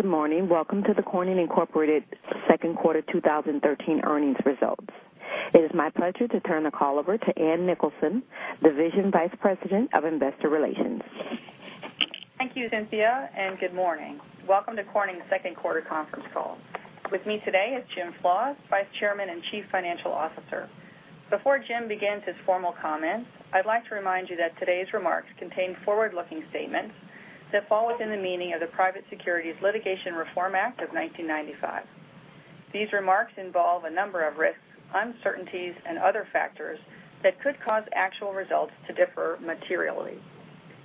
Good morning. Welcome to the Corning Incorporated second quarter 2013 earnings results. It is my pleasure to turn the call over to Ann Nicholson, Division Vice President of Investor Relations. Thank you, Cynthia, and good morning. Welcome to Corning's second quarter conference call. With me today is James Flaws, Vice Chairman and Chief Financial Officer. Before Jim begins his formal comments, I'd like to remind you that today's remarks contain forward-looking statements that fall within the meaning of the Private Securities Litigation Reform Act of 1995. These remarks involve a number of risks, uncertainties, and other factors that could cause actual results to differ materially.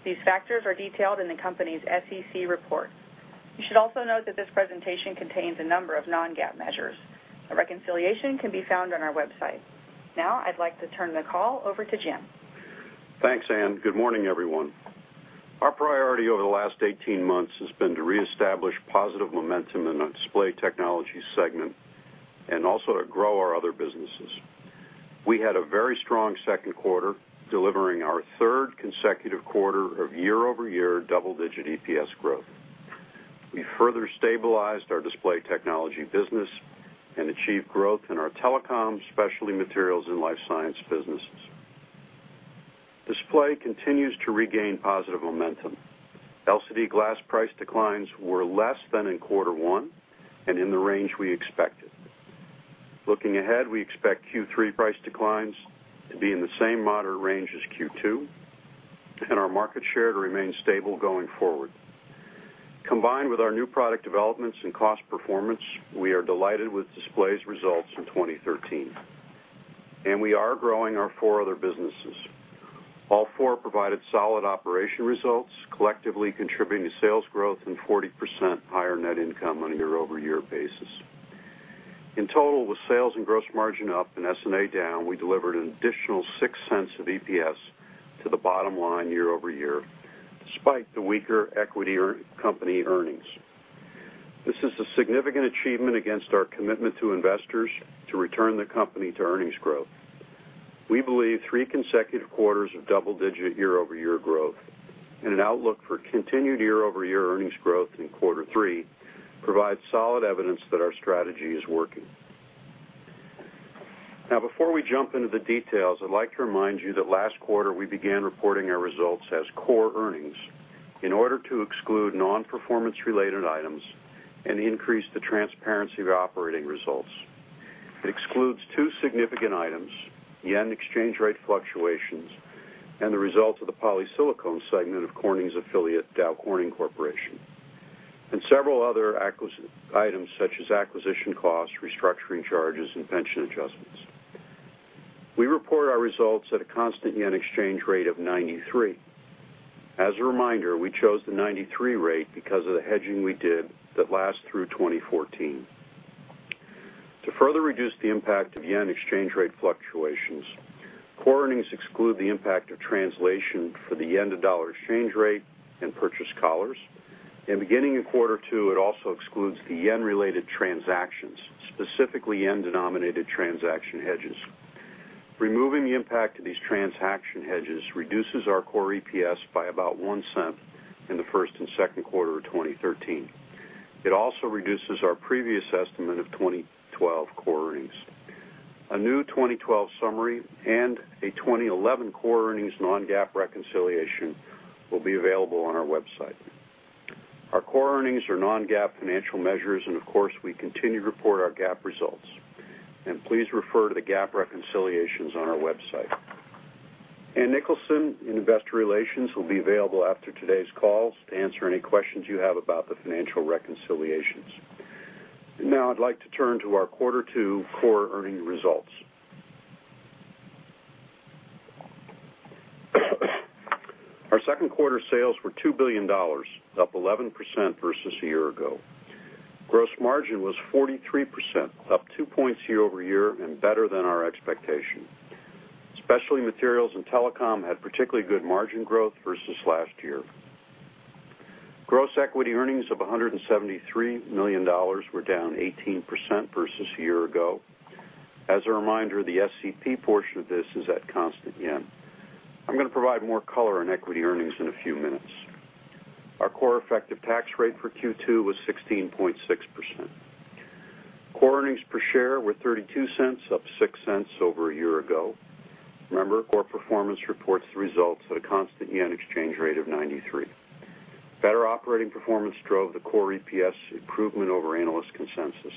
These factors are detailed in the company's SEC report. You should also note that this presentation contains a number of non-GAAP measures. A reconciliation can be found on our website. I'd like to turn the call over to Jim. Thanks, Ann. Good morning, everyone. Our priority over the last 18 months has been to reestablish positive momentum in the Display Technologies segment and also to grow our other businesses. We had a very strong second quarter, delivering our third consecutive quarter of year-over-year double-digit EPS growth. We further stabilized our Display Technologies business and achieved growth in our telecom, Specialty Materials, and life science businesses. Display continues to regain positive momentum. LCD glass price declines were less than in quarter one and in the range we expected. Looking ahead, we expect Q3 price declines to be in the same moderate range as Q2 and our market share to remain stable going forward. Combined with our new product developments and cost performance, we are delighted with Display's results in 2013, and we are growing our four other businesses. All four provided solid operation results, collectively contributing to sales growth and 40% higher net income on a year-over-year basis. In total, with sales and gross margin up and SG&A down, we delivered an additional $0.06 of EPS to the bottom line year-over-year, despite the weaker equity company earnings. This is a significant achievement against our commitment to investors to return the company to earnings growth. We believe three consecutive quarters of double-digit year-over-year growth and an outlook for continued year-over-year earnings growth in quarter three provide solid evidence that our strategy is working. Before we jump into the details, I'd like to remind you that last quarter, we began reporting our results as core earnings in order to exclude non-performance-related items and increase the transparency of operating results. It excludes two significant items: JPY exchange rate fluctuations and the results of the polysilicon segment of Corning's affiliate, Dow Corning Corporation, and several other items, such as acquisition costs, restructuring charges, and pension adjustments. We report our results at a constant JPY exchange rate of 93. As a reminder, we chose the 93 rate because of the hedging we did that lasts through 2014. To further reduce the impact of JPY exchange rate fluctuations, core earnings exclude the impact of translation for the yen-to-dollar exchange rate and purchase collars, and beginning in Q2, it also excludes the yen-related transactions, specifically yen-denominated transaction hedges. Removing the impact of these transaction hedges reduces our core EPS by about $0.01 in the first and second Q of 2013. It also reduces our previous estimate of 2012 core earnings. A new 2012 summary and a 2011 core earnings non-GAAP reconciliation will be available on our website. Our core earnings are non-GAAP financial measures. Of course, we continue to report our GAAP results. Please refer to the GAAP reconciliations on our website. Ann Nicholson in investor relations will be available after today's call to answer any questions you have about the financial reconciliations. I'd like to turn to our Q2 core earning results. Our second Q sales were $2 billion, up 11% versus a year ago. Gross margin was 43%, up two points year-over-year, and better than our expectation. Specialty Materials and telecom had particularly good margin growth versus last year. Gross equity earnings of $173 million were down 18% versus a year ago. As a reminder, the SCP portion of this is at constant yen. I'm going to provide more color on equity earnings in a few minutes. Our core effective tax rate for Q2 was 16.6%. Core earnings per share were $0.32, up $0.06 over a year ago. Remember, core performance reports the results at a constant JPY exchange rate of 93. Better operating performance drove the core EPS improvement over analyst consensus.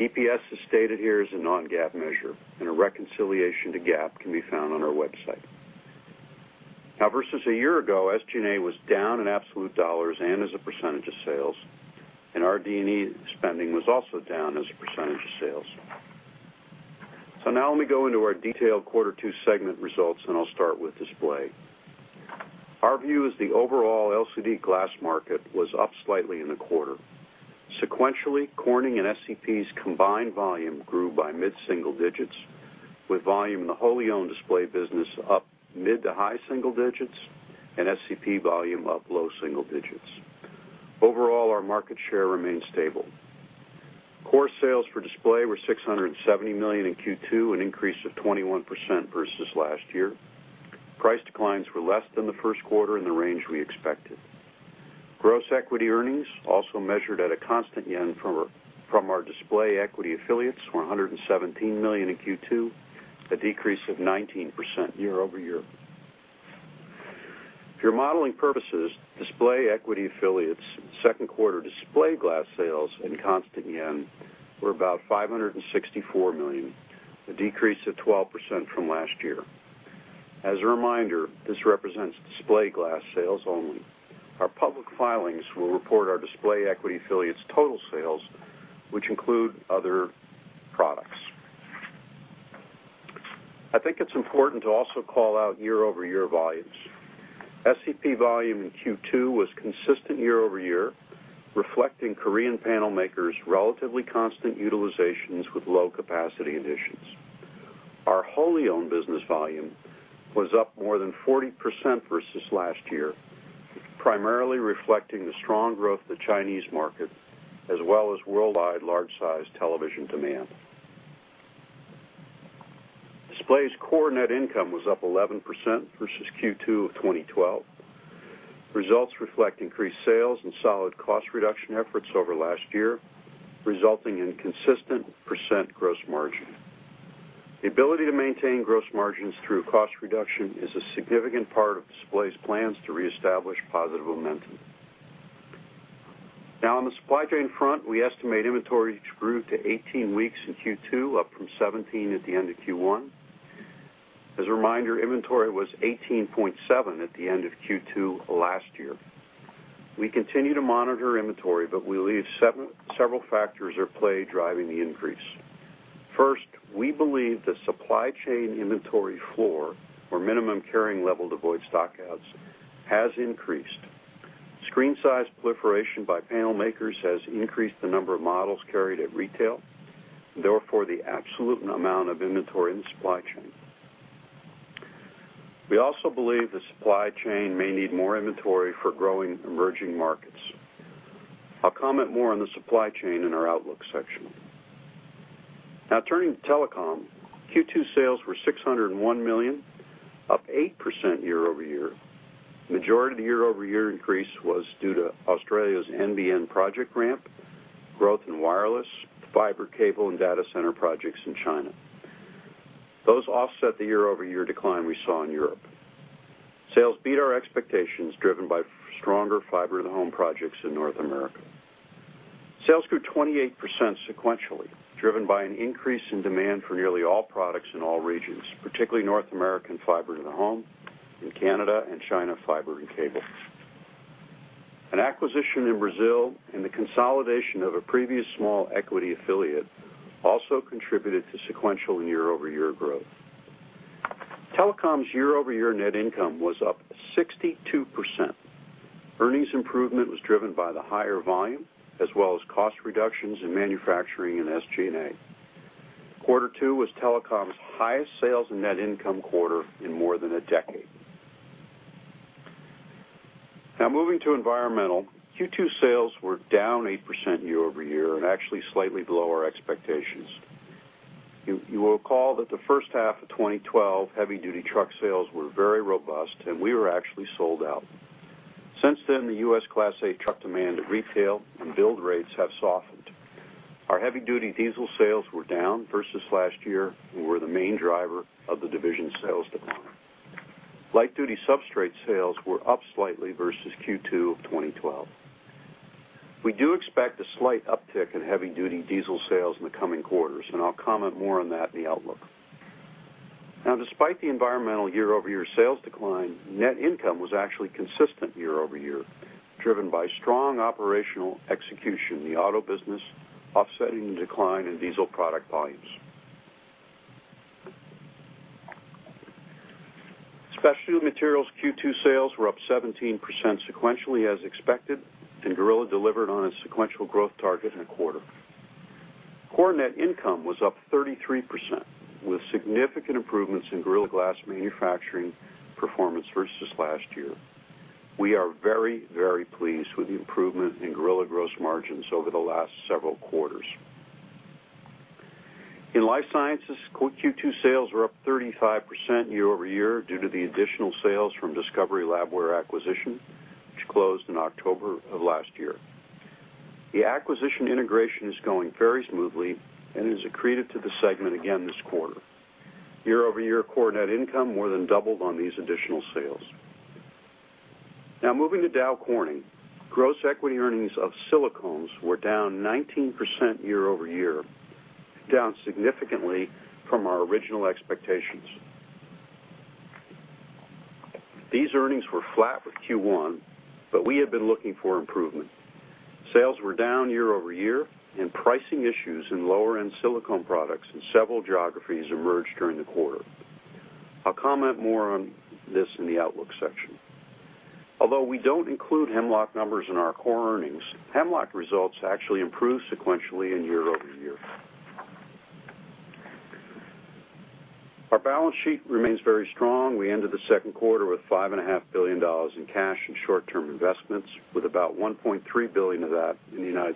EPS is stated here as a non-GAAP measure. A reconciliation to GAAP can be found on our website. Versus a year ago, SG&A was down in absolute dollars and as a percentage of sales, and our D&E spending was also down as a percentage of sales. Let me go into our detailed Q2 segment results, and I'll start with Display. Our view is the overall LCD glass market was up slightly in the quarter. Sequentially, Corning and SCP's combined volume grew by mid-single digits, with volume in the wholly-owned Display business up mid to high single digits and SCP volume up low single digits. Overall, our market share remains stable. Core sales for Display were $670 million in Q2, an increase of 21% versus last year. Price declines were less than the first Q in the range we expected. Gross equity earnings also measured at a constant yen from our Display equity affiliates, were $117 million in Q2, a decrease of 19% year-over-year. For modeling purposes, Display equity affiliates' second Q Display glass sales in constant yen were about $564 million, a decrease of 12% from last year. As a reminder, this represents Display glass sales only. Our public filings will report our Display equity affiliates' total sales, which include other products. I think it's important to also call out year-over-year volumes. SCP volume in Q2 was consistent year-over-year, reflecting Korean panel makers' relatively constant utilizations with low capacity additions. Our wholly owned business volume was up more than 40% versus last year, primarily reflecting the strong growth of the Chinese market, as well as worldwide large size television demand. Display's core net income was up 11% versus Q2 of 2012. Results reflect increased sales and solid cost reduction efforts over last year, resulting in consistent percent gross margin. The ability to maintain gross margins through cost reduction is a significant part of Display's plans to reestablish positive momentum. Now, on the supply chain front, we estimate inventories grew to 18 weeks in Q2, up from 17 at the end of Q1. As a reminder, inventory was 18.7 at the end of Q2 last year. We continue to monitor inventory, we believe several factors are at play driving the increase. First, we believe the supply chain inventory floor or minimum carrying level to avoid stockouts has increased. Screen size proliferation by panel makers has increased the number of models carried at retail, therefore the absolute amount of inventory in the supply chain. We also believe the supply chain may need more inventory for growing emerging markets. I'll comment more on the supply chain in our outlook section. Now, turning to Telecom. Q2 sales were $601 million, up 8% year-over-year. Majority of the year-over-year increase was due to Australia's NBN project ramp, growth in wireless, fiber cable, and data center projects in China. Those offset the year-over-year decline we saw in Europe. Sales beat our expectations, driven by stronger fiber-to-the-home projects in North America. Sales grew 28% sequentially, driven by an increase in demand for nearly all products in all regions, particularly North American fiber-to-the-home in Canada, and China fiber and cable. An acquisition in Brazil and the consolidation of a previous small equity affiliate also contributed to sequential year-over-year growth. Telecom's year-over-year net income was up 62%. Earnings improvement was driven by the higher volume as well as cost reductions in manufacturing and SG&A. Quarter 2 was Telecom's highest sales and net income quarter in more than a decade. Now moving to Environmental, Q2 sales were down 8% year-over-year and actually slightly below our expectations. You will recall that the first half of 2012, heavy-duty truck sales were very robust, and we were actually sold out. Since then, the U.S. Class 8 truck demand at retail and build rates have softened. Our heavy-duty diesel sales were down versus last year and were the main driver of the division sales decline. Light-duty substrate sales were up slightly versus Q2 of 2012. We do expect a slight uptick in heavy-duty diesel sales in the coming quarters, and I'll comment more on that in the outlook. Now, despite the Environmental year-over-year sales decline, net income was actually consistent year-over-year, driven by strong operational execution in the auto business offsetting the decline in diesel product volumes. Specialty Materials Q2 sales were up 17% sequentially as expected, and Gorilla delivered on its sequential growth target in a quarter. Core net income was up 33%, with significant improvements in Gorilla Glass manufacturing performance versus last year. We are very, very pleased with the improvement in Gorilla gross margins over the last several quarters. In Life Sciences, Q2 sales were up 35% year-over-year due to the additional sales from Discovery Labware acquisition, which closed in October of last year. The acquisition integration is going very smoothly and is accretive to the segment again this quarter. Year-over-year core net income more than doubled on these additional sales. Moving to Dow Corning. Gross equity earnings of silicones were down 19% year-over-year, down significantly from our original expectations. These earnings were flat with Q1, but we have been looking for improvement. Sales were down year-over-year, and pricing issues in lower-end silicone products in several geographies emerged during the quarter. I'll comment more on this in the outlook section. Although we don't include Hemlock numbers in our core earnings, Hemlock results actually improved sequentially and year-over-year. Our balance sheet remains very strong. We ended the second quarter with $5.5 billion in cash and short-term investments, with about $1.3 billion of that in the U.S.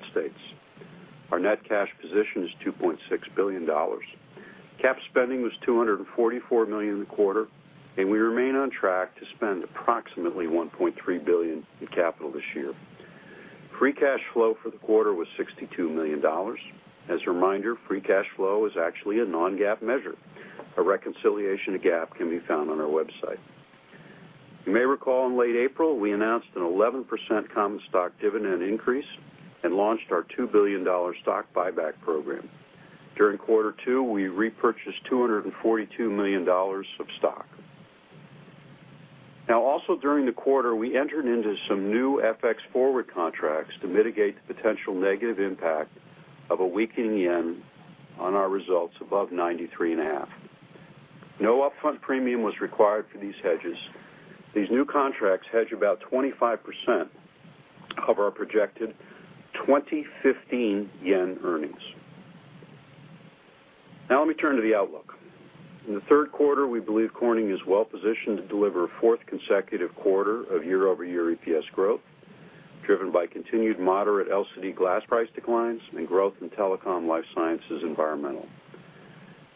Our net cash position is $2.6 billion. Cap spending was $244 million in the quarter, and we remain on track to spend approximately $1.3 billion in capital this year. Free cash flow for the quarter was $62 million. As a reminder, free cash flow is actually a non-GAAP measure. A reconciliation to GAAP can be found on our website. You may recall in late April, we announced an 11% common stock dividend increase and launched our $2 billion stock buyback program. During quarter two, we repurchased $242 million of stock. Also during the quarter, we entered into some new FX forward contracts to mitigate the potential negative impact of a weakening yen on our results above 93.5. No upfront premium was required for these hedges. These new contracts hedge about 25% of our projected 2015 yen earnings. Let me turn to the outlook. In the third quarter, we believe Corning is well positioned to deliver a fourth consecutive quarter of year-over-year EPS growth, driven by continued moderate LCD glass price declines and growth in telecom, Life Sciences, Environmental Technologies.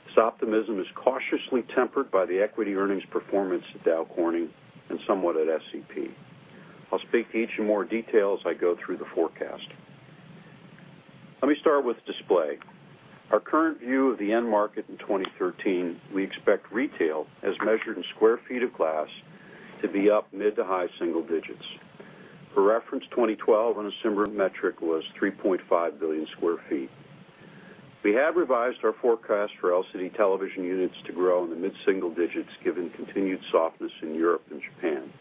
This optimism is cautiously tempered by the equity earnings performance at Dow Corning and somewhat at SCP. I'll speak to each in more detail as I go through the forecast. Let me start with Display. Our current view of the end market in 2013, we expect retail, as measured in square feet of glass, to be up mid to high single digits. For reference, 2012 on a similar metric was 3.5 billion square feet. We have revised our forecast for LCD television units to grow in the mid-single digits given continued softness in Europe and Japan.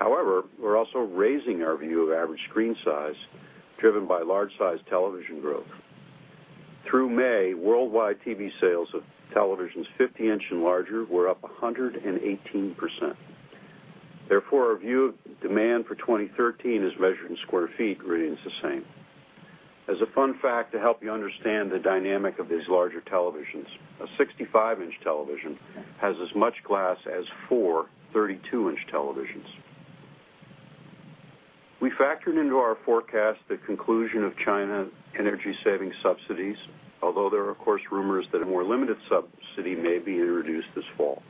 We're also raising our view of average screen size, driven by large-sized television growth. Through May, worldwide TV sales of televisions 50-inch and larger were up 118%. Therefore, our view of demand for 2013 as measured in square feet remains the same. As a fun fact to help you understand the dynamic of these larger televisions, a 65-inch television has as much glass as four 32-inch televisions. We factored into our forecast the conclusion of China energy saving subsidies, although there are of course rumors that a more limited subsidy may be introduced this fall.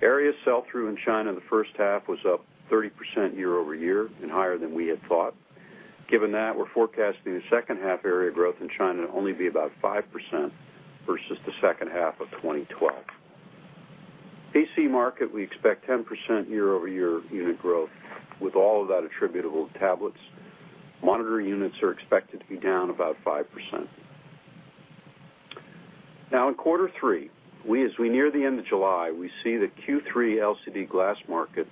Area sell-through in China in the first half was up 30% year-over-year and higher than we had thought. Given that, we're forecasting the second half area growth in China to only be about 5% versus the second half of 2012. PC market, we expect 10% year-over-year unit growth, with all of that attributable to tablets. Monitor units are expected to be down about 5%. In quarter three, as we near the end of July, we see the Q3 LCD glass market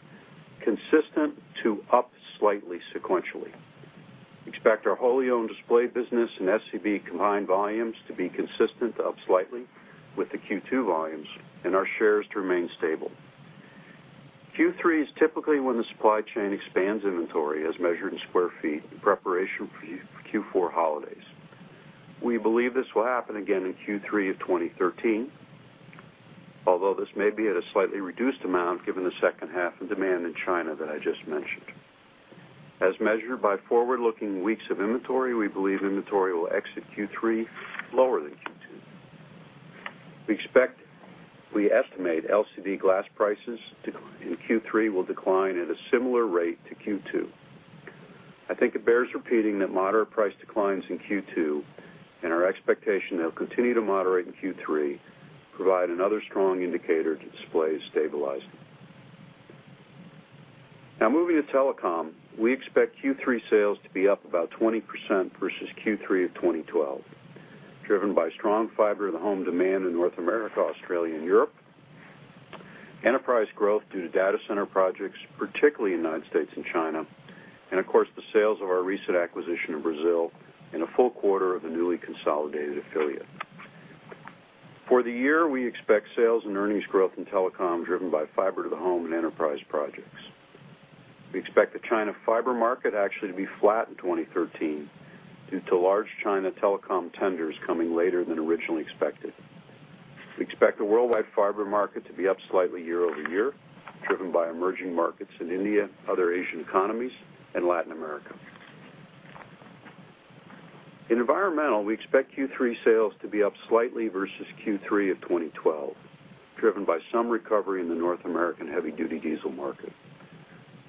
consistent to up slightly sequentially. We expect our wholly owned display business and SCP combined volumes to be consistent to up slightly with the Q2 volumes and our shares to remain stable. Q3 is typically when the supply chain expands inventory as measured in square feet in preparation for Q4 holidays. We believe this will happen again in Q3 of 2013, although this may be at a slightly reduced amount given the second half of demand in China that I just mentioned. As measured by forward-looking weeks of inventory, we believe inventory will exit Q3 lower than Q2. We estimate LCD glass prices in Q3 will decline at a similar rate to Q2. I think it bears repeating that moderate price declines in Q2 and our expectation they'll continue to moderate in Q3 provide another strong indicator to displays stabilizing. Moving to telecom, we expect Q3 sales to be up about 20% versus Q3 of 2012, driven by strong fiber-to-the-home demand in North America, Australia, and Europe. Enterprise growth due to data center projects, particularly in the United States and China, and of course, the sales of our recent acquisition in Brazil in a full quarter of the newly consolidated affiliate. For the year, we expect sales and earnings growth in telecom driven by fiber-to-the-home and enterprise projects. We expect the China fiber market actually to be flat in 2013 due to large China telecom tenders coming later than originally expected. We expect the worldwide fiber market to be up slightly year-over-year, driven by emerging markets in India, other Asian economies, and Latin America. In environmental, we expect Q3 sales to be up slightly versus Q3 of 2012, driven by some recovery in the North American heavy-duty diesel market.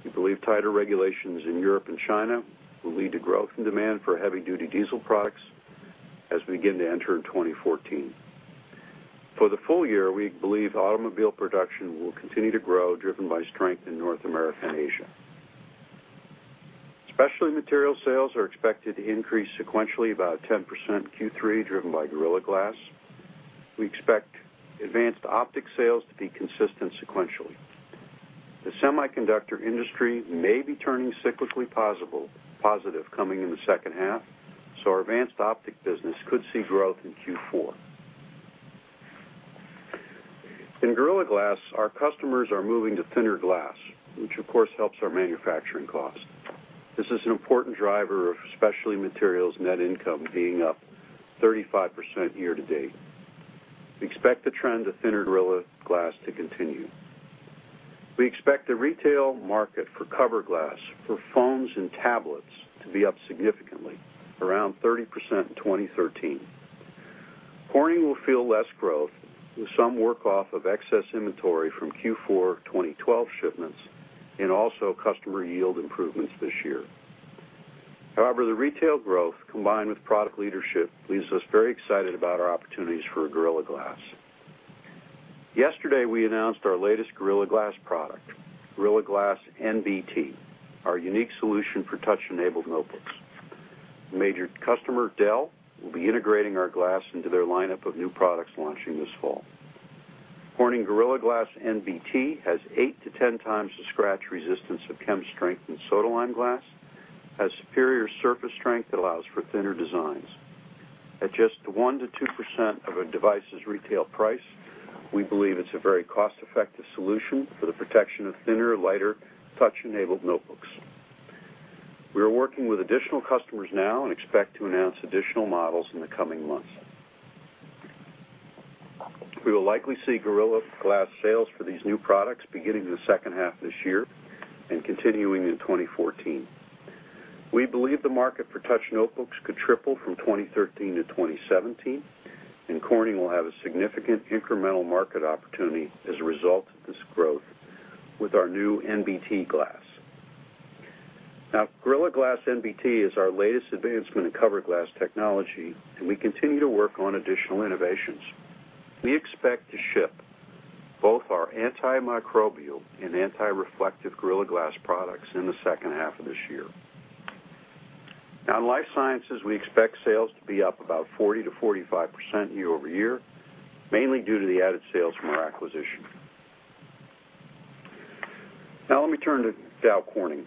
We believe tighter regulations in Europe and China will lead to growth in demand for heavy-duty diesel products as we begin to enter in 2014. For the full year, we believe automobile production will continue to grow, driven by strength in North America and Asia. Specialty Materials sales are expected to increase sequentially about 10% in Q3, driven by Gorilla Glass. We expect advanced optic sales to be consistent sequentially. The semiconductor industry may be turning cyclically positive coming in the second half, so our advanced optic business could see growth in Q4. In Gorilla Glass, our customers are moving to thinner glass, which of course helps our manufacturing cost. This is an important driver of Specialty Materials net income being up 35% year-to-date. We expect the trend of thinner Gorilla Glass to continue. We expect the retail market for cover glass for phones and tablets to be up significantly, around 30% in 2013. Corning will feel less growth with some work off of excess inventory from Q4 2012 shipments and also customer yield improvements this year. The retail growth combined with product leadership leaves us very excited about our opportunities for Gorilla Glass. Yesterday, we announced our latest Gorilla Glass product, Gorilla Glass NBT, our unique solution for touch-enabled notebooks. Major customer Dell will be integrating our glass into their lineup of new products launching this fall. Corning Gorilla Glass NBT has eight to 10 times the scratch resistance of chem-strengthened soda-lime glass, has superior surface strength that allows for thinner designs. At just 1% to 2% of a device's retail price, we believe it's a very cost-effective solution for the protection of thinner, lighter touch-enabled notebooks. We are working with additional customers now and expect to announce additional models in the coming months. We will likely see Gorilla Glass sales for these new products beginning in the second half of this year and continuing in 2014. We believe the market for touch notebooks could triple from 2013 to 2017, and Corning will have a significant incremental market opportunity as a result of this growth with our new NBT glass. Gorilla Glass NBT is our latest advancement in cover glass technology, and we continue to work on additional innovations. We expect to ship both our antimicrobial and anti-reflective Gorilla Glass products in the second half of this year. In life sciences, we expect sales to be up about 40% to 45% year-over-year, mainly due to the added sales from our acquisition. Let me turn to Dow Corning.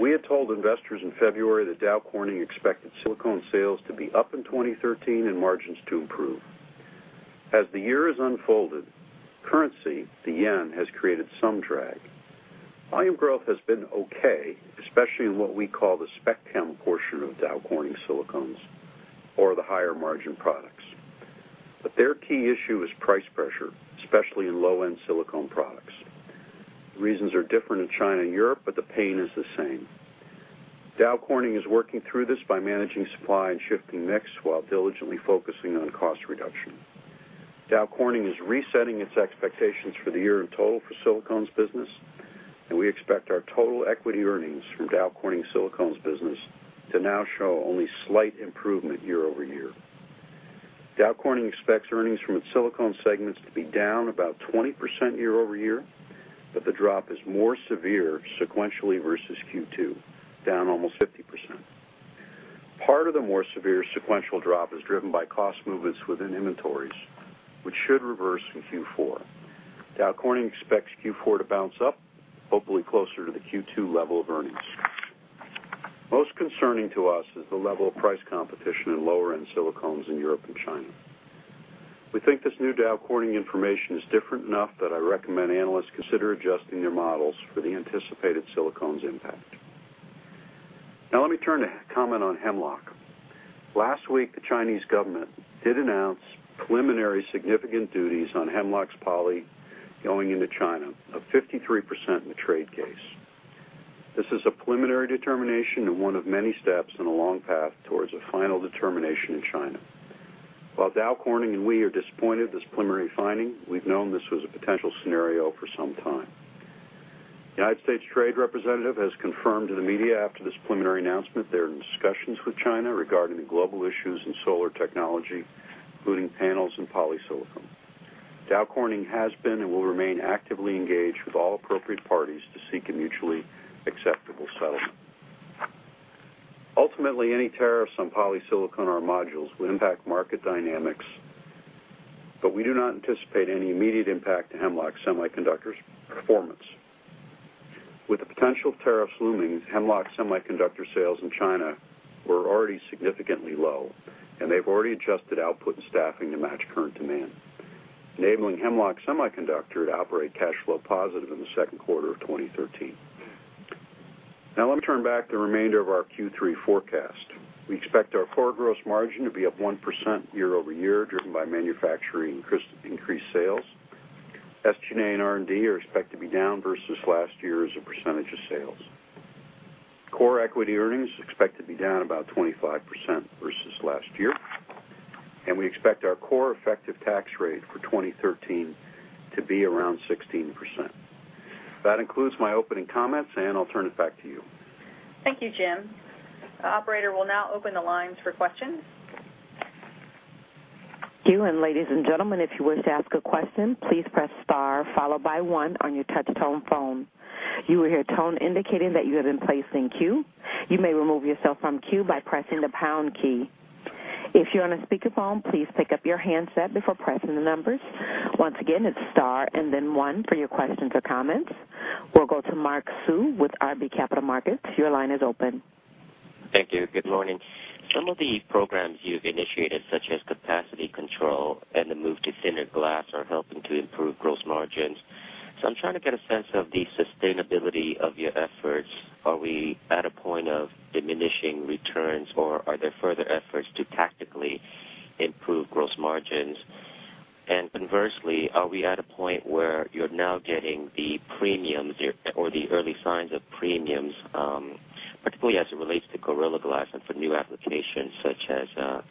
We had told investors in February that Dow Corning expected silicone sales to be up in 2013 and margins to improve. As the year has unfolded, currency, the yen, has created some drag. Volume growth has been okay, especially in what we call the Spec Chem portion of Dow Corning silicones or the higher margin products. Their key issue is price pressure, especially in low-end silicone products. The reasons are different in China and Europe, but the pain is the same. Dow Corning is working through this by managing supply and shifting mix while diligently focusing on cost reduction. Dow Corning is resetting its expectations for the year in total for silicones business, and we expect our total equity earnings from Dow Corning silicones business to now show only slight improvement year-over-year. Dow Corning expects earnings from its silicone segments to be down about 20% year-over-year, but the drop is more severe sequentially versus Q2, down almost 50%. Part of the more severe sequential drop is driven by cost movements within inventories, which should reverse in Q4. Dow Corning expects Q4 to bounce up, hopefully closer to the Q2 level of earnings. Most concerning to us is the level of price competition in lower-end silicones in Europe and China. We think this new Dow Corning information is different enough that I recommend analysts consider adjusting their models for the anticipated silicones impact. Let me turn to comment on Hemlock. Last week, the Chinese government did announce preliminary significant duties on Hemlock's poly going into China of 53% in the trade case. This is a preliminary determination and one of many steps in a long path towards a final determination in China. While Dow Corning and we are disappointed with this preliminary finding, we've known this was a potential scenario for some time. The U.S. trade representative has confirmed to the media after this preliminary announcement they are in discussions with China regarding the global issues in solar technology, including panels and polysilicon. Dow Corning has been and will remain actively engaged with all appropriate parties to seek a mutually acceptable settlement. Ultimately, any tariffs on polysilicon or modules will impact market dynamics, but we do not anticipate any immediate impact to Hemlock Semiconductor's performance. With the potential tariffs looming, Hemlock Semiconductor sales in China were already significantly low, and they've already adjusted output and staffing to match current demand, enabling Hemlock Semiconductor to operate cash flow positive in the second quarter of 2013. Let me turn back to the remainder of our Q3 forecast. We expect our core gross margin to be up 1% year-over-year, driven by manufacturing increased sales. SG&A and R&D are expected to be down versus last year as a percentage of sales. Core equity earnings are expected to be down about 25% versus last year. We expect our core effective tax rate for 2013 to be around 16%. That includes my opening comments, Ann, I'll turn it back to you. Thank you, Jim. The operator will now open the lines for questions. Thank you. Ladies and gentlemen, if you wish to ask a question, please press star followed by one on your touch-tone phone. You will hear a tone indicating that you have been placed in queue. You may remove yourself from queue by pressing the pound key. If you're on a speakerphone, please pick up your handset before pressing the numbers. Once again, it's star and then one for your questions or comments. We'll go to Mark Sue with RBC Capital Markets. Your line is open. Thank you. Good morning. Some of the programs you've initiated, such as capacity control and the move to thinner glass, are helping to improve gross margins. I'm trying to get a sense of the sustainability of your efforts. Are we at a point of diminishing returns, or are there further efforts to tactically improve gross margins? Conversely, are we at a point where you're now getting the premiums or the early signs of premiums, particularly as it relates to Gorilla Glass and for new applications such as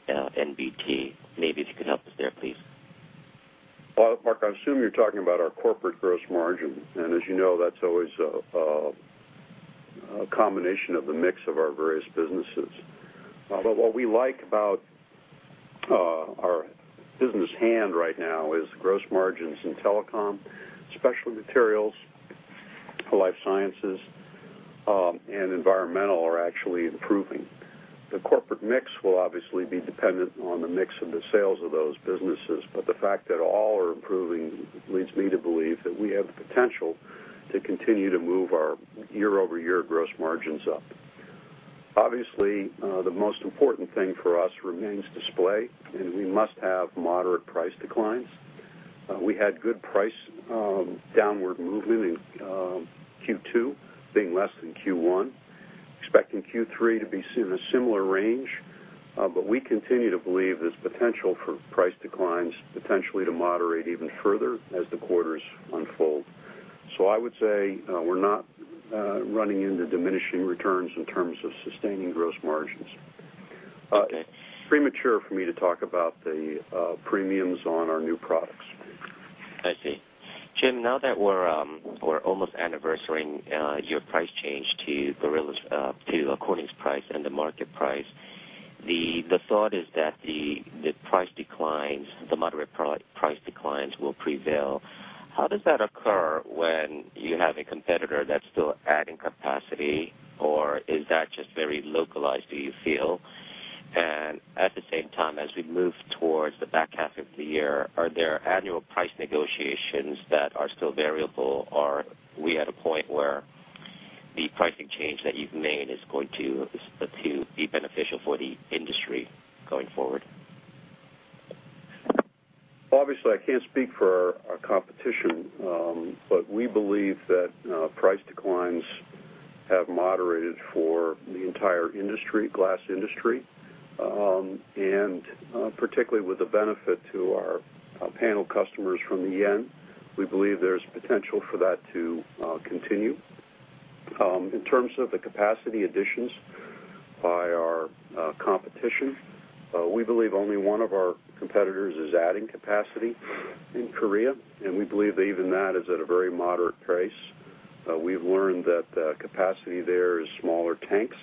NBT? Maybe if you could help us there, please. Mark, I assume you're talking about our corporate gross margin, and as you know, that's always a combination of the mix of our various businesses. What we like about our business hand right now is gross margins in telecom, Specialty Materials, life sciences, and environmental are actually improving. The corporate mix will obviously be dependent on the mix of the sales of those businesses, but the fact that all are improving leads me to believe that we have the potential to continue to move our year-over-year gross margins up. Obviously, the most important thing for us remains display, and we must have moderate price declines. We had good price downward movement in Q2, being less than Q1, expecting Q3 to be in a similar range. We continue to believe there's potential for price declines potentially to moderate even further as the quarters unfold. I would say we're not running into diminishing returns in terms of sustaining gross margins. Okay. Premature for me to talk about the premiums on our new products. I see. Jim, now that we're almost anniversarying your price change to Corning's price and the market price, the thought is that the moderate price declines will prevail. How does that occur when you have a competitor that's still adding capacity, or is that just very localized, do you feel? At the same time, as we move towards the back half of the year, are there annual price negotiations that are still variable, or are we at a point where the pricing change that you've made is going to be beneficial for the industry going forward? I can't speak for our competition, we believe that price declines have moderated for the entire glass industry, and particularly with the benefit to our panel customers from the yen. We believe there's potential for that to continue. In terms of the capacity additions by our competition, we believe only one of our competitors is adding capacity in Korea, we believe even that is at a very moderate pace. We've learned that the capacity there is smaller tanks,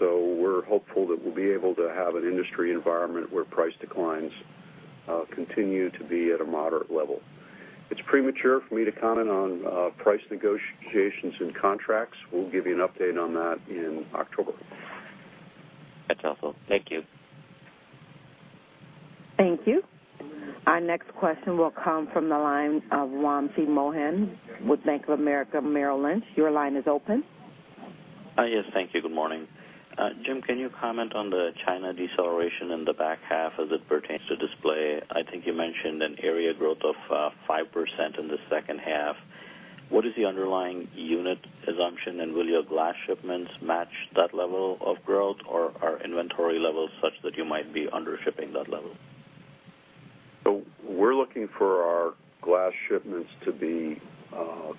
we're hopeful that we'll be able to have an industry environment where price declines continue to be at a moderate level. It's premature for me to comment on price negotiations and contracts. We'll give you an update on that in October. That's helpful. Thank you. Thank you. Our next question will come from the line of Wamsi Mohan with Bank of America Merrill Lynch. Your line is open. Yes, thank you. Good morning. Jim, can you comment on the China deceleration in the back half as it pertains to display? I think you mentioned an area growth of 5% in the second half. What is the underlying unit assumption, and will your glass shipments match that level of growth, or are inventory levels such that you might be under-shipping that level? We're looking for our glass shipments to be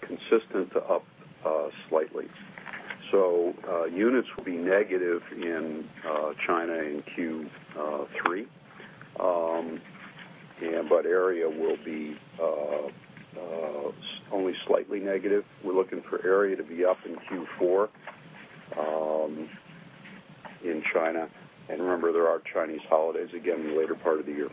consistent to up slightly. Units will be negative in China in Q3. Area will be only slightly negative. We're looking for area to be up in Q4 in China. Remember, there are Chinese holidays again in the later part of the year.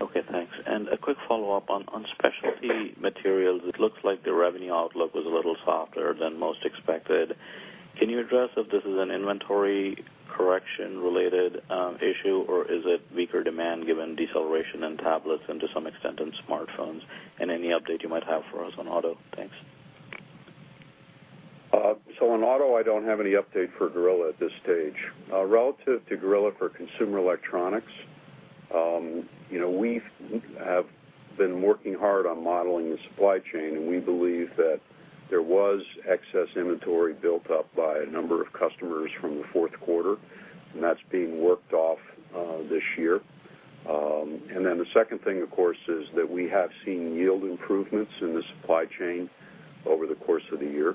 Okay, thanks. A quick follow-up on Specialty Materials. It looks like the revenue outlook was a little softer than most expected. Can you address if this is an inventory correction-related issue, or is it weaker demand given deceleration in tablets and to some extent in smartphones? Any update you might have for us on auto? Thanks. In auto, I don't have any update for Gorilla at this stage. Relative to Gorilla for consumer electronics, we have been working hard on modeling the supply chain, and we believe that there was excess inventory built up by a number of customers from the fourth quarter, and that's being worked off this year. The second thing, of course, is that we have seen yield improvements in the supply chain over the course of the year.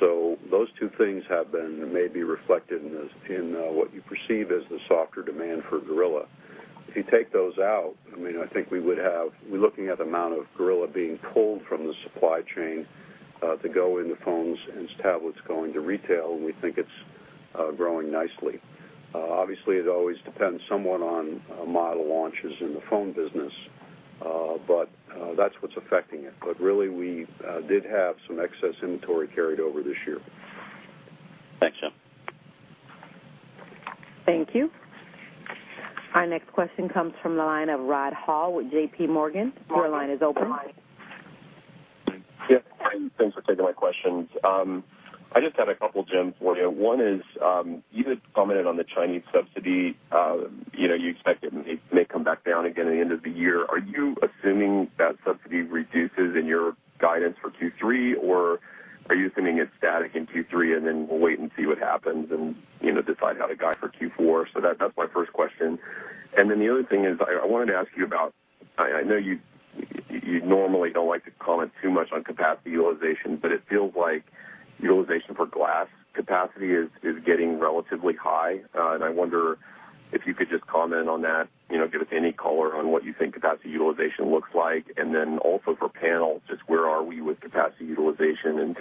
Those two things have been maybe reflected in what you perceive as the softer demand for Gorilla. If you take those out, we're looking at the amount of Gorilla being pulled from the supply chain to go into phones and tablets going to retail, and we think it's growing nicely. Obviously, it always depends somewhat on model launches in the phone business, but that's what's affecting it. Really, we did have some excess inventory carried over this year. Thanks, Jim. Thank you. Our next question comes from the line of Rod Hall with JPMorgan. Your line is open. Brian, thanks for taking my questions. I just had a couple, Jim, for you. One is, you had commented on the Chinese subsidy. You expect it may come back down again at the end of the year. Are you assuming that subsidy reduces in your guidance for Q3, or are you assuming it's static in Q3, then we'll wait and see what happens and decide how to guide for Q4? That's my first question. The other thing is I wanted to ask you about, I know you normally don't like to comment too much on capacity utilization, but it feels like utilization for glass capacity is getting relatively high. I wonder if you could just comment on that, give us any color on what you think capacity utilization looks like, then also for panels, just where are we with capacity utilization and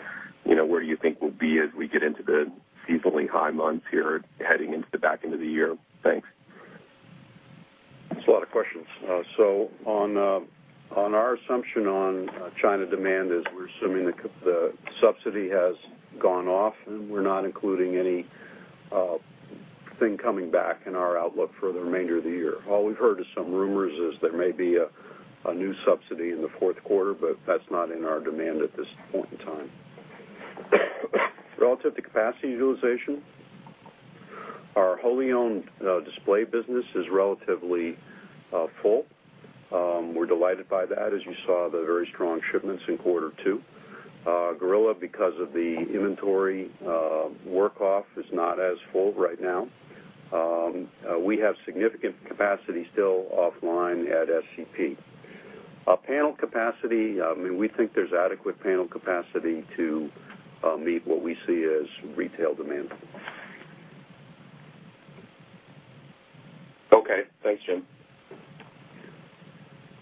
where you think we'll be as we get into the seasonally high months here heading into the back end of the year? Thanks. That's a lot of questions. On our assumption on China demand is we're assuming the subsidy has gone off, and we're not including anything coming back in our outlook for the remainder of the year. All we've heard is some rumors is there may be a new subsidy in the fourth quarter, but that's not in our demand at this point in time. Relative to capacity utilization, our wholly owned display business is relatively full. We're delighted by that, as you saw the very strong shipments in quarter 2. Gorilla, because of the inventory work off, is not as full right now. We have significant capacity still offline at SCP. Panel capacity, we think there's adequate panel capacity to meet what we see as retail demand. Okay. Thanks, Jim.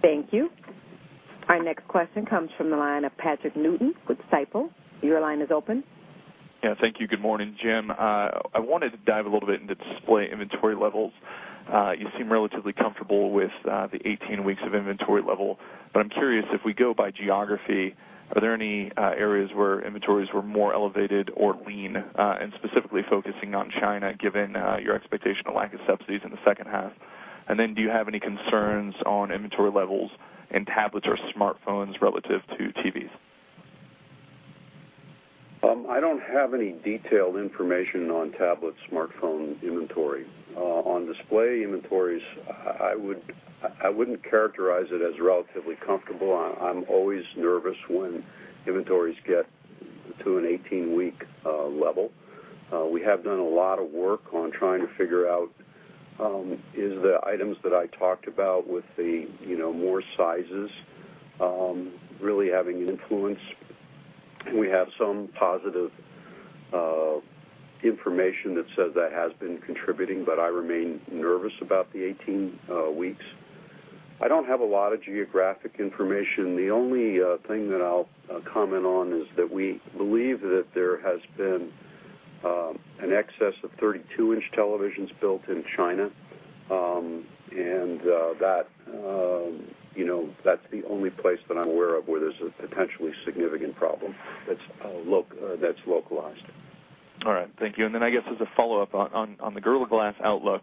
Thank you. Our next question comes from the line of Patrick Newton with Stifel. Your line is open. Thank you. Good morning. Jim, I wanted to dive a little bit into display inventory levels. You seem relatively comfortable with the 18 weeks of inventory level, but I'm curious if we go by geography, are there any areas where inventories were more elevated or lean, and specifically focusing on China, given your expectation of lack of subsidies in the second half? Do you have any concerns on inventory levels in tablets or smartphones relative to TVs? I don't have any detailed information on tablet smartphone inventory. On display inventories, I wouldn't characterize it as relatively comfortable. I'm always nervous when inventories get to an 18-week level. We have done a lot of work on trying to figure out is the items that I talked about with the more sizes really having an influence. We have some positive information that says that has been contributing, but I remain nervous about the 18 weeks. I don't have a lot of geographic information. The only thing that I'll comment on is that we believe that there has been an excess of 32-inch televisions built in China, and that's the only place that I'm aware of where there's a potentially significant problem that's localized. All right. Thank you. I guess as a follow-up on the Gorilla Glass outlook,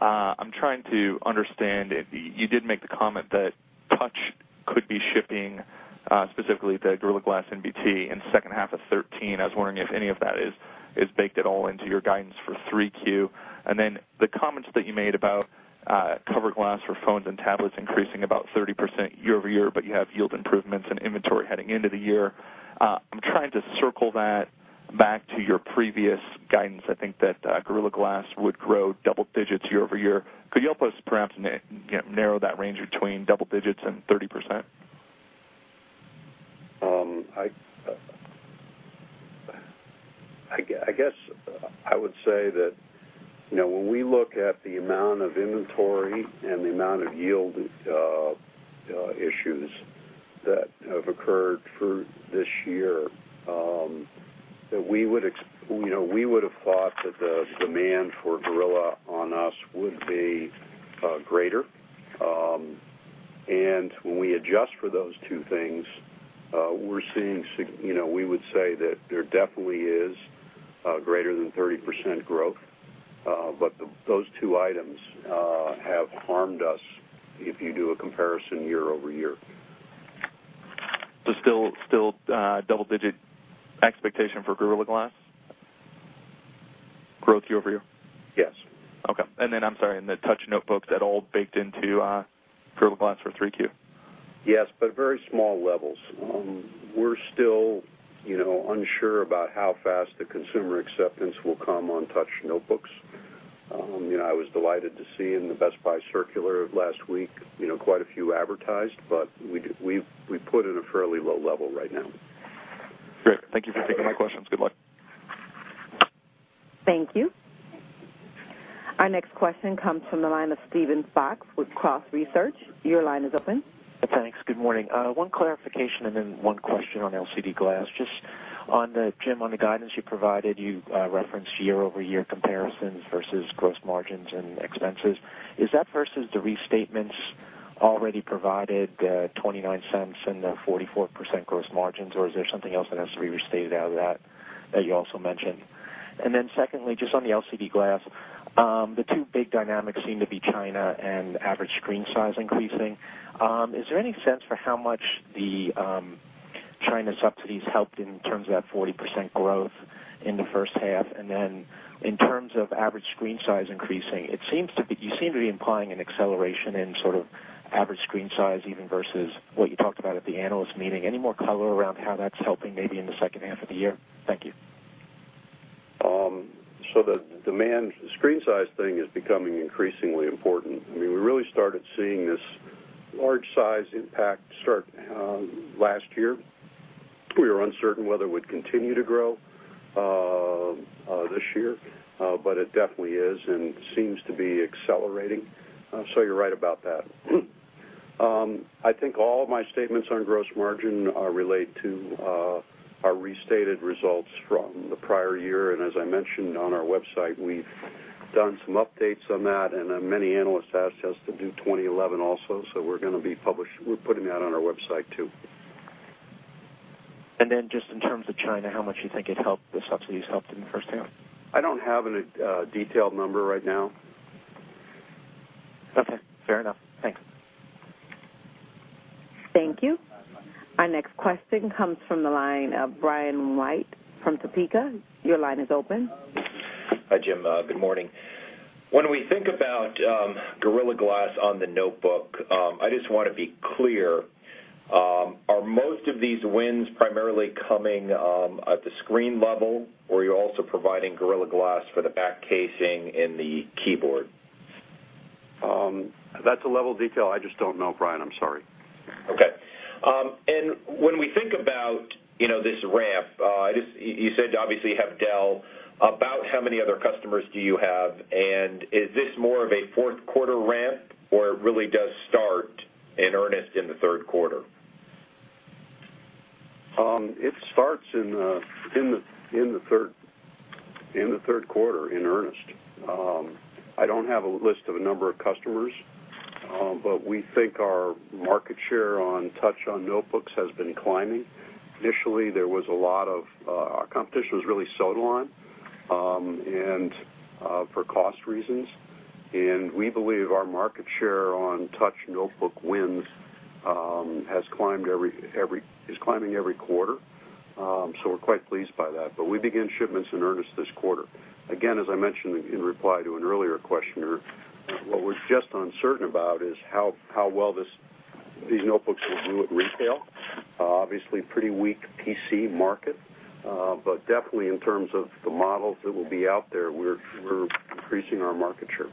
I'm trying to understand, you did make the comment that touch could be shifting, specifically the Gorilla Glass NBT in the second half of 2013. I was wondering if any of that is baked at all into your guidance for 3Q. The comments that you made about cover glass for phones and tablets increasing about 30% year-over-year, but you have yield improvements and inventory heading into the year. I'm trying to circle that back to your previous guidance, I think that Gorilla Glass would grow double digits year-over-year. Could you help us perhaps narrow that range between double digits and 30%? I guess I would say that when we look at the amount of inventory and the amount of yield issues that have occurred through this year, that we would have thought that the demand for Gorilla Glass would be greater. When we adjust for those two things, we would say that there definitely is greater than 30% growth. Those two items have harmed us if you do a comparison year-over-year. Still double-digit expectation for Gorilla Glass growth year-over-year? Yes. Okay. I'm sorry, in the touch notebooks, that all baked into Gorilla Glass for 3Q? Yes, very small levels. We're still unsure about how fast the consumer acceptance will come on touch notebooks. I was delighted to see in the Best Buy circular last week quite a few advertised, but we put in a fairly low level right now. Great. Thank you for taking my questions. Good luck. Thank you. Our next question comes from the line of Steven Fox with Cross Research. Your line is open. Thanks. Good morning. One clarification and then one question on LCD glass. Jim, on the guidance you provided, you referenced year-over-year comparisons versus gross margins and expenses. Is that versus the restatements already provided, the $0.29 and the 44% gross margins, or is there something else that has to be restated out of that you also mentioned? Secondly, just on the LCD glass, the two big dynamics seem to be China and average screen size increasing. Is there any sense for how much the China subsidies helped in terms of that 40% growth in the first half? In terms of average screen size increasing, you seem to be implying an acceleration in average screen size even versus what you talked about at the analyst meeting. Any more color around how that's helping maybe in the second half of the year? Thank you. The demand screen size thing is becoming increasingly important. We really started seeing this large size impact start last year. We were uncertain whether it would continue to grow this year. It definitely is and seems to be accelerating. You're right about that. I think all of my statements on gross margin relate to our restated results from the prior year, and as I mentioned on our website, we've done some updates on that, and many analysts asked us to do 2011 also. We're going to be publishing. We're putting that on our website, too. Just in terms of China, how much do you think the subsidies helped in the first half? I don't have a detailed number right now. Okay, fair enough. Thanks. Thank you. Our next question comes from the line of Brian White from Topeka. Your line is open. Hi, Jim. Good morning. When we think about Gorilla Glass on the notebook, I just want to be clear, are most of these wins primarily coming at the screen level, or are you also providing Gorilla Glass for the back casing in the keyboard? That's a level of detail I just don't know, Brian. I'm sorry. Okay. When we think about this ramp, you said obviously you have Dell. About how many other customers do you have? Is this more of a fourth quarter ramp, or it really does start in earnest in the third quarter? It starts in the third quarter in earnest. I don't have a list of a number of customers, we think our market share on touch on notebooks has been climbing. Initially, our competition was really sold on, for cost reasons, we believe our market share on touch notebook wins is climbing every quarter. We're quite pleased by that. We begin shipments in earnest this quarter. Again, as I mentioned in reply to an earlier questioner, what we're just uncertain about is how well these notebooks will do at retail. Obviously, pretty weak PC market. Definitely in terms of the models that will be out there, we're increasing our market share.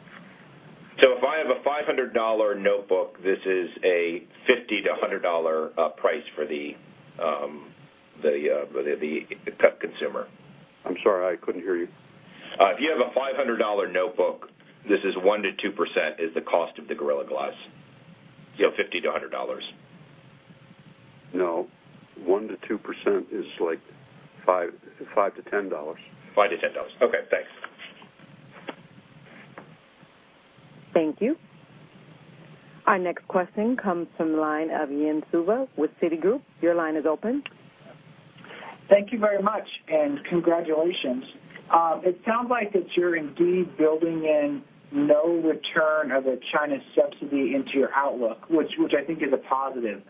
If I have a $500 notebook, this is a $50-$100 price for the consumer. I'm sorry, I couldn't hear you. If you have a $500 notebook, this is 1%-2% is the cost of the Gorilla Glass, so $50-$100. No, 1%-2% is $5-$10. $5-$10. Okay, thanks. Thank you. Our next question comes from the line of Jim Suva with Citigroup. Your line is open. Thank you very much. Congratulations. It sounds like that you're indeed building in no return of the China subsidy into your outlook, which I think is a positive.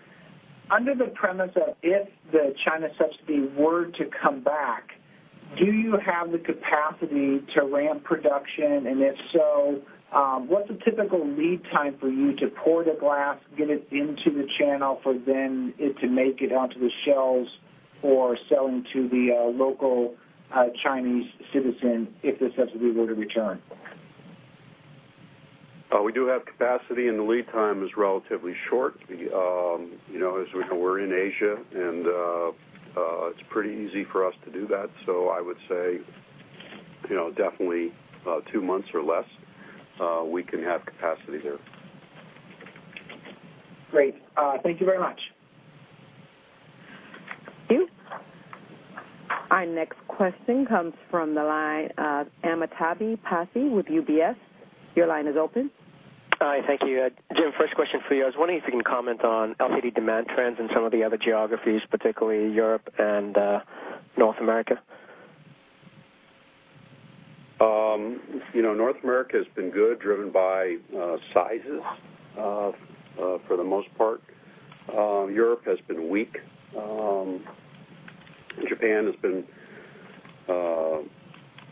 Under the premise of if the China subsidy were to come back, do you have the capacity to ramp production? If so, what's the typical lead time for you to pour the glass, get it into the channel for then it to make it onto the shelves or selling to the local Chinese citizen if the subsidy were to return? We do have capacity. The lead time is relatively short. As we know, we're in Asia. It's pretty easy for us to do that. I would say, definitely two months or less, we can have capacity there. Great. Thank you very much. Thank you. Our next question comes from the line of Amitabh Passi with UBS. Your line is open. Hi, thank you. Jim, first question for you. I was wondering if you can comment on LCD demand trends in some of the other geographies, particularly Europe and North America. North America has been good, driven by sizes for the most part. Europe has been weak. Japan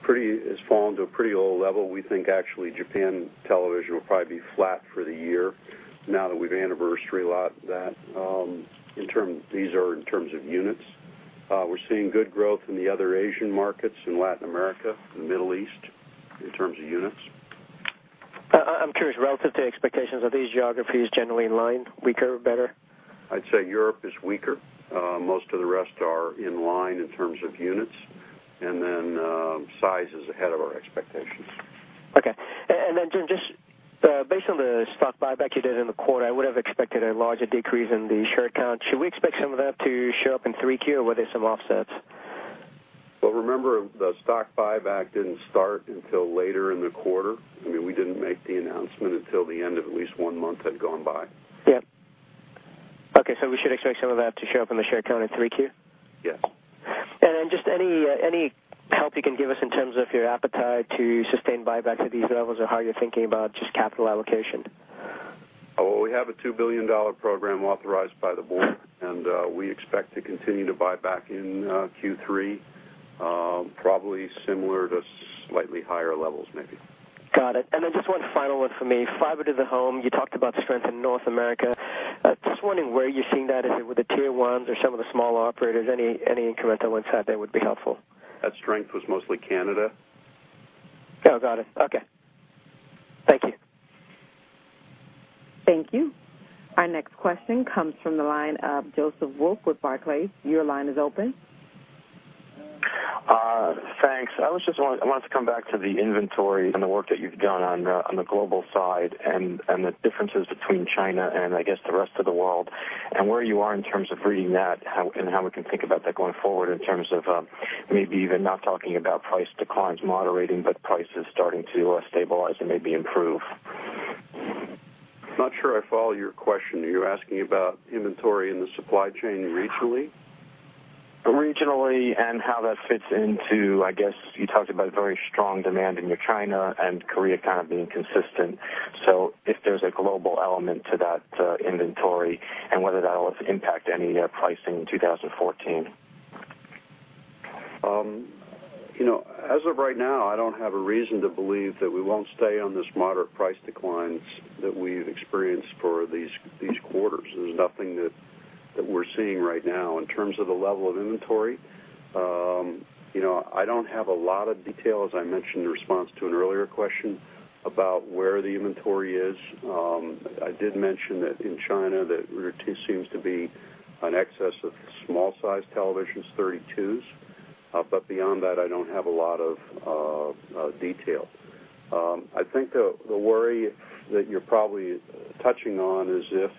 has fallen to a pretty low level. We think actually Japan television will probably be flat for the year now that we've anniversary-ized that. These are in terms of units. We're seeing good growth in the other Asian markets, in Latin America, the Middle East, in terms of units. I'm curious, relative to expectations, are these geographies generally in line, weaker or better? I'd say Europe is weaker. Most of the rest are in line in terms of units, size is ahead of our expectations. Okay. Jim, just based on the stock buyback you did in the quarter, I would have expected a larger decrease in the share count. Should we expect some of that to show up in 3Q, or were there some offsets? Remember, the stock buyback didn't start until later in the quarter. We didn't make the announcement until the end of at least one month had gone by. Yep. Okay, we should expect some of that to show up in the share count in 3Q? Yes. Just any help you can give us in terms of your appetite to sustain buybacks at these levels, or how you're thinking about just capital allocation. Well, we have a $2 billion program authorized by the board. We expect to continue to buy back in Q3, probably similar to slightly higher levels maybe. Got it. Just one final one for me. Fiber-to-the-home, you talked about strength in North America. Just wondering where you're seeing that. Is it with the tier 1s or some of the smaller operators? Any incremental insight there would be helpful. That strength was mostly Canada. Oh, got it. Okay. Thank you. Thank you. Our next question comes from the line of Joseph Wolf with Barclays. Your line is open. Thanks. I wanted to come back to the inventory and the work that you've done on the global side and the differences between China and I guess the rest of the world, and where you are in terms of reading that and how we can think about that going forward in terms of maybe even not talking about price declines moderating, but prices starting to stabilize and maybe improve. Not sure I follow your question. Are you asking about inventory in the supply chain regionally? Regionally, and how that fits into, you talked about very strong demand in your China and Korea kind of being consistent. If there's a global element to that inventory, and whether that'll impact any pricing in 2014? As of right now, I don't have a reason to believe that we won't stay on this moderate price declines that we've experienced for these quarters. There's nothing that we're seeing right now. In terms of the level of inventory, I don't have a lot of detail, as I mentioned in response to an earlier question, about where the inventory is. I did mention that in China, that there seems to be an excess of small-sized televisions, 32s. Beyond that, I don't have a lot of detail. I think the worry that you're probably touching on is if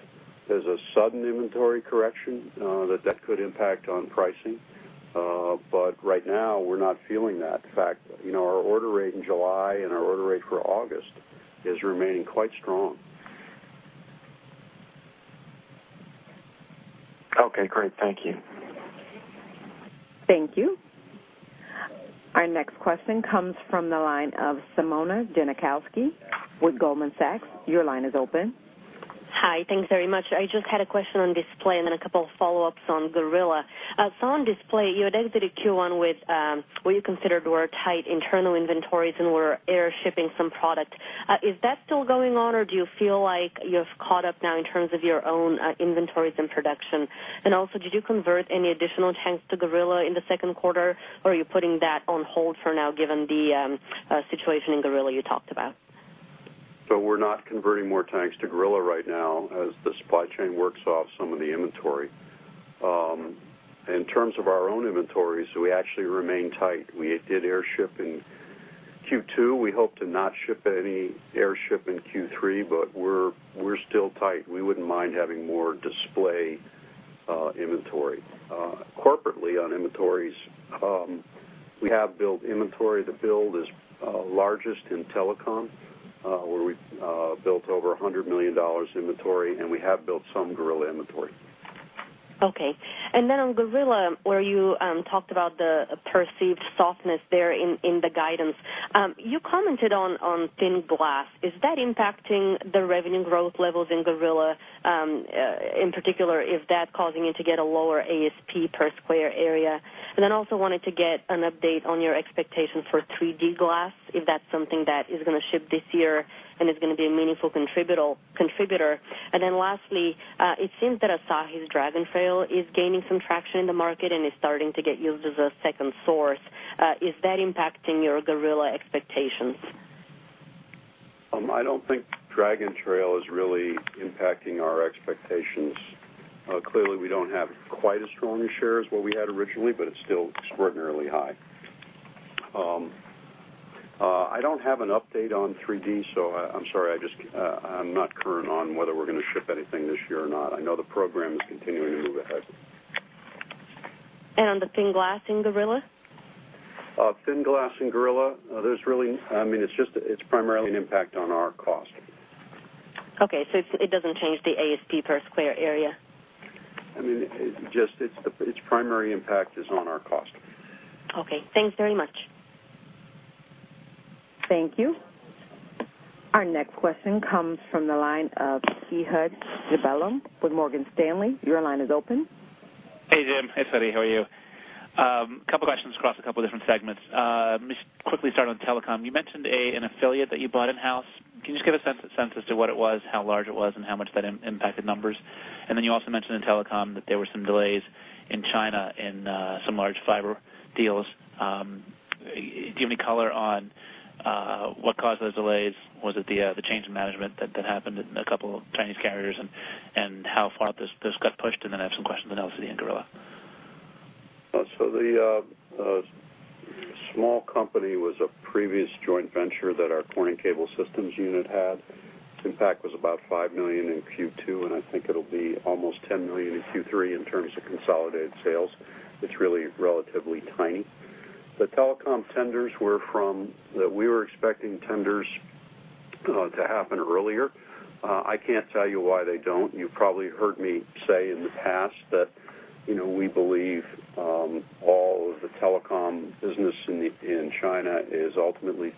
there's a sudden inventory correction, that that could impact on pricing. Right now, we're not feeling that. In fact, our order rate in July and our order rate for August is remaining quite strong. Okay, great. Thank you. Thank you. Our next question comes from the line of Simona Jankowski with Goldman Sachs. Your line is open. Hi. Thanks very much. I just had a question on display and then a couple of follow-ups on Gorilla. On display, you had exited Q1 with what you considered were tight internal inventories and were air shipping some product. Is that still going on, or do you feel like you have caught up now in terms of your own inventories and production? Also, did you convert any additional tanks to Gorilla in the second quarter, or are you putting that on hold for now given the situation in Gorilla you talked about? We're not converting more tanks to Gorilla right now as the supply chain works off some of the inventory. In terms of our own inventories, we actually remain tight. We did air ship in Q2. We hope to not ship any air ship in Q3, but we're still tight. We wouldn't mind having more display inventory. Corporately on inventories, we have built inventory. The build is largest in telecom, where we've built over $100 million inventory, and we have built some Gorilla inventory. Okay. Then on Gorilla, where you talked about the perceived softness there in the guidance. You commented on thin glass. Is that impacting the revenue growth levels in Gorilla? In particular, is that causing you to get a lower ASP per square area? Also wanted to get an update on your expectations for 3D glass, if that's something that is going to ship this year and is going to be a meaningful contributor. Lastly, it seems that Asahi's Dragontrail is gaining some traction in the market and is starting to get used as a second source. Is that impacting your Gorilla expectations? I don't think Dragontrail is really impacting our expectations. Clearly, we don't have quite as strong a share as what we had originally, but it's still extraordinarily high. I don't have an update on 3D, so I'm sorry. I'm not current on whether we're going to ship anything this year or not. I know the program is continuing to move ahead. On the thin glass in Gorilla? Thin glass in Gorilla, it's primarily an impact on our cost. Okay, it doesn't change the ASP per square area. Its primary impact is on our cost. Okay. Thanks very much. Thank you. Our next question comes from the line of Ehud Gelblum with Morgan Stanley. Your line is open. Hey, Jim. Hey, Ann. How are you? Couple questions across a couple different segments. Let me quickly start on telecom. You mentioned an affiliate that you bought in-house. Can you just give a sense as to what it was, how large it was, and how much that impacted numbers? And then you also mentioned in telecom that there were some delays in China in some large fiber deals. Do you have any color on what caused those delays? Was it the change in management that happened in a couple of Chinese carriers, and how far out this got pushed? And then I have some questions on LCD and Gorilla. The small company was a previous joint venture that our Corning Cable Systems unit had. Impact was about $5 million in Q2, and I think it'll be almost $10 million in Q3 in terms of consolidated sales. It's really relatively tiny. We were expecting tenders to happen earlier. I can't tell you why they don't. You probably heard me say in the past that we believe all of the telecom business in China is ultimately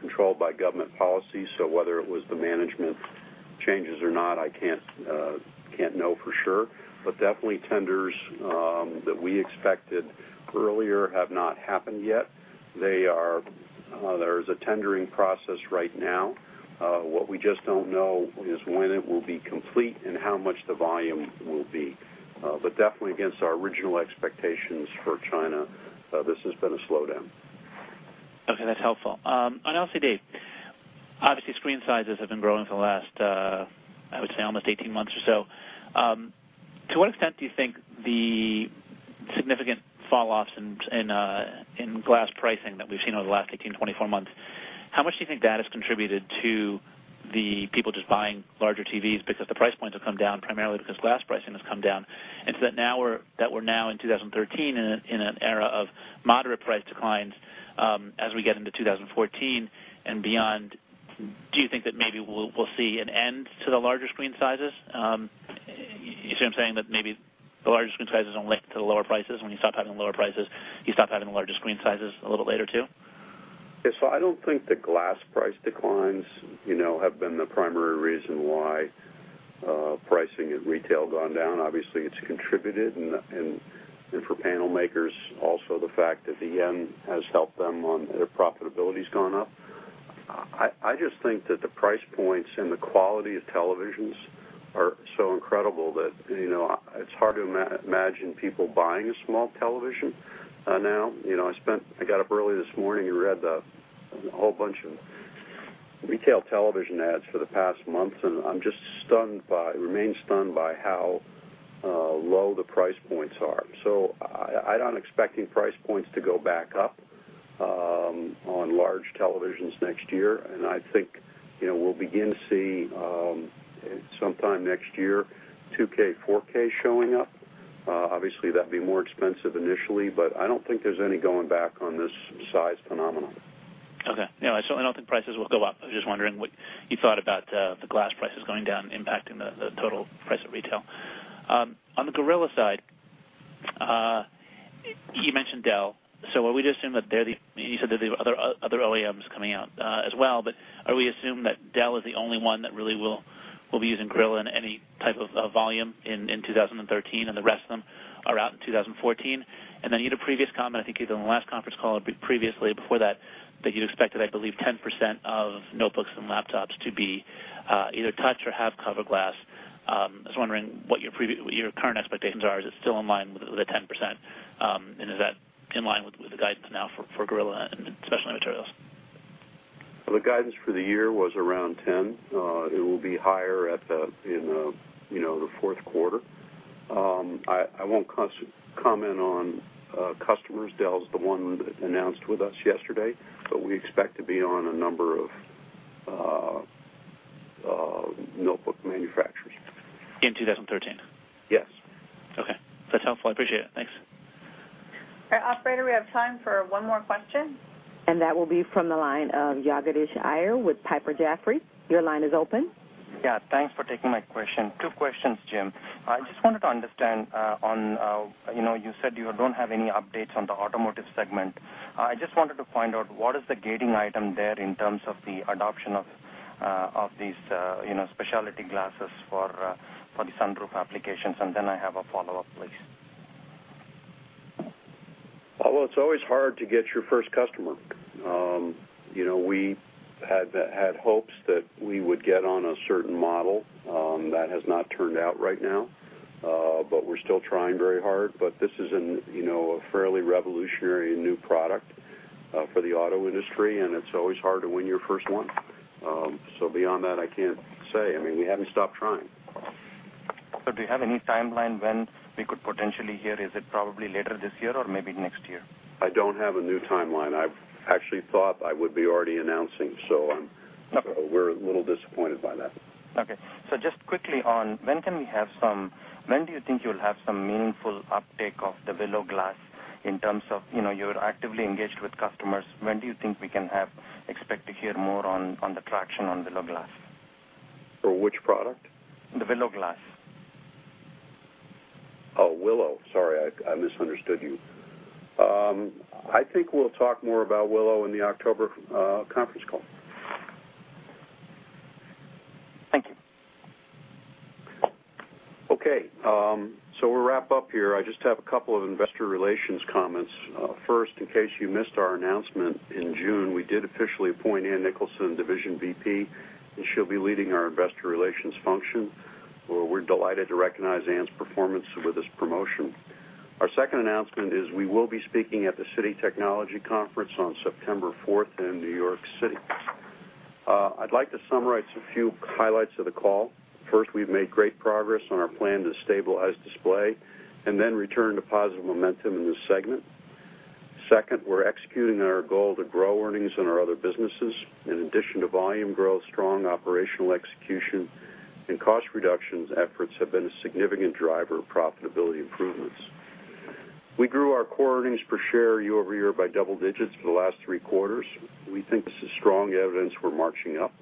controlled by government policy. Whether it was the management changes or not, I can't know for sure. Definitely tenders that we expected earlier have not happened yet. There's a tendering process right now. What we just don't know is when it will be complete and how much the volume will be. Definitely against our original expectations for China, this has been a slowdown. Okay, that's helpful. On LCDs, obviously screen sizes have been growing for the last, I would say almost 18 months or so. To what extent do you think the significant falloffs in glass pricing that we've seen over the last 18-24 months, how much do you think that has contributed to the people just buying larger TVs because the price points have come down primarily because glass pricing has come down, and so that we're now in 2013 in an era of moderate price declines as we get into 2014 and beyond, do you think that maybe we'll see an end to the larger screen sizes? You see what I'm saying? That maybe the larger screen sizes are linked to the lower prices. When you stop having lower prices, you stop having the larger screen sizes a little later too? Yes. I don't think the glass price declines have been the primary reason why pricing at retail gone down. Obviously, it's contributed, and for panel makers, also the fact that the JPY has helped them on their profitability's gone up. I just think that the price points and the quality of televisions are so incredible that it's hard to imagine people buying a small television now. I got up early this morning and read a whole bunch of retail television ads for the past month, and I remain stunned by how low the price points are. I'm not expecting price points to go back up on large televisions next year. I think we'll begin to see, sometime next year, 2K, 4K showing up. Obviously, that'd be more expensive initially, but I don't think there's any going back on this size phenomenon. Okay. No, I certainly don't think prices will go up. I was just wondering what you thought about the glass prices going down impacting the total price at retail. On the Gorilla side, you mentioned Dell. You said that there are other OEMs coming out as well, but are we to assume that Dell is the only one that really will be using Gorilla in any type of volume in 2013, and the rest of them are out in 2014? You had a previous comment, I think either on the last conference call or previously before that you'd expected, I believe, 10% of notebooks and laptops to be either touch or have cover glass. I was wondering what your current expectations are. Is it still in line with the 10%? Is that in line with the guidance now for Gorilla and Specialty Materials? The guidance for the year was around 10%. It will be higher in the fourth quarter. I won't comment on customers. Dell's the one that announced with us yesterday. We expect to be on a number of notebook manufacturers. In 2013? Yes. Okay. That's helpful. I appreciate it. Thanks. All right, operator, we have time for one more question. That will be from the line of Jagadish Iyer with Piper Jaffray. Your line is open. Yeah, thanks for taking my question. Two questions, Jim. I just wanted to understand on, you said you don't have any updates on the automotive segment. I just wanted to find out what is the gating item there in terms of the adoption of these specialty glasses for the sunroof applications, and then I have a follow-up, please. Well, it's always hard to get your first customer. We had hopes that we would get on a certain model. That has not turned out right now. We're still trying very hard. This is a fairly revolutionary new product for the auto industry, and it's always hard to win your first one. Beyond that, I can't say. We haven't stopped trying. Do you have any timeline when we could potentially hear? Is it probably later this year or maybe next year? I don't have a new timeline. I actually thought I would be already announcing, we're a little disappointed by that. Okay. just quickly on, when do you think you'll have some meaningful uptick of the Willow Glass in terms of, you're actively engaged with customers. When do you think we can expect to hear more on the traction on Willow Glass? For which product? The Willow Glass. Oh, Willow. Sorry, I misunderstood you. I think we'll talk more about Willow in the October conference call. Thank you. We'll wrap up here. I just have a couple of investor relations comments. First, in case you missed our announcement in June, we did officially appoint Ann Nicholson, Division VP, and she'll be leading our investor relations function. We're delighted to recognize Ann's performance with this promotion. Our second announcement is we will be speaking at the Citi Technology Conference on September fourth in New York City. I'd like to summarize a few highlights of the call. First, we've made great progress on our plan to stabilize Display and then return to positive momentum in this segment. Second, we're executing on our goal to grow earnings in our other businesses. In addition to volume growth, strong operational execution, and cost reductions efforts have been a significant driver of profitability improvements. We grew our core earnings per share year-over-year by double digits for the last three quarters. We think this is strong evidence we're marching up.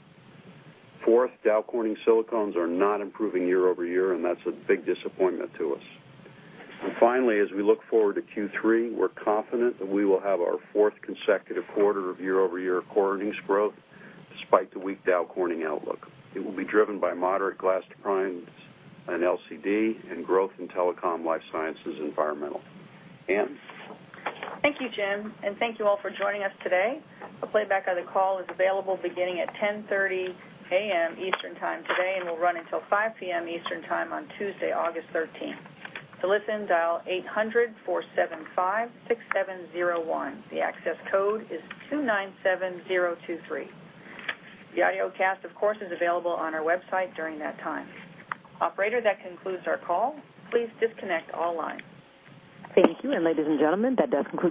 Fourth, Dow Corning silicones are not improving year-over-year, and that's a big disappointment to us. Finally, as we look forward to Q3, we're confident that we will have our fourth consecutive quarter of year-over-year core earnings growth despite the weak Dow Corning outlook. It will be driven by moderate glass declines in LCD and growth in Telecom, Life Sciences, Environmental. Ann? Thank you, Jim, and thank you all for joining us today. A playback of the call is available beginning at 10:30 A.M. Eastern Time today and will run until 5:00 P.M. Eastern Time on Tuesday, August 13th. To listen, dial 800-475-6701. The access code is 297023. The audiocast, of course, is available on our website during that time. Operator, that concludes our call. Please disconnect all lines. Thank you, ladies and gentlemen, that does conclude.